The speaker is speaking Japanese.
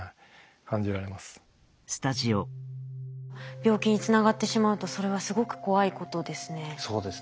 病気につながってしまうとそれはすごく怖いことですね。